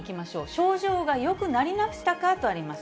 症状がよくなりましたか？とあります。